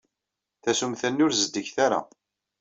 Tasumta-nni ur zeddiget ara.